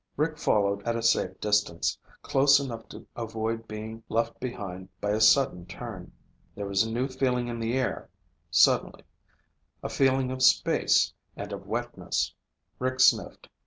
Rick followed at a safe distance, close enough to avoid being left behind by a sudden turn. There was a new feeling in the air suddenly, a feeling of space and of wetness. Rick sniffed.